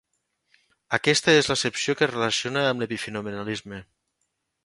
Aquesta és l'accepció que es relaciona amb l'epifenomenalisme.